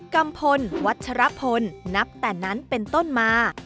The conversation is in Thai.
กัมพลวัชรพลนับแต่นั้นเป็นต้นมา